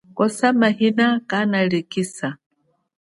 Kosa mahina analikhisa.